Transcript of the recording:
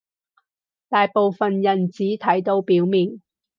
大部分人只睇到表面